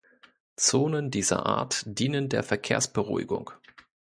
Zonen dieser Art dienen der Verkehrsberuhigung.